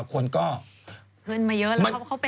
ขึ้นมาเยอะแล้วเขาเป็นมาหลายปีแล้วเนอะ